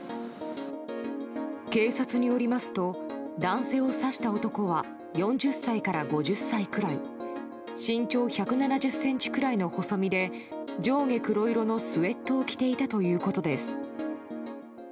警察によりますと男性を刺した男は４０歳から５０歳くらい身長１７０ｃｍくらいの細身で上下黒色のスウェットを着ていたということです。